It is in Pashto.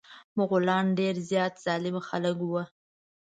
مغولان ډير زيات ظالم خلک وه.